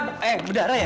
aduh eh berdarah ya